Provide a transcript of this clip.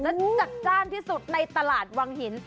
และจัดจ้านที่สุดในตลาดวังหิน